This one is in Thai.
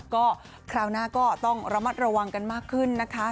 ก็คราวหน้าก็ต้องระมัดระวังกันมากขึ้นนะคะ